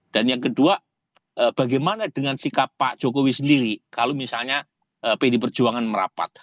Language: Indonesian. dan yang kedua bagaimana dengan sikap pak jokowi sendiri kalau misalnya pdip perjuangan merapat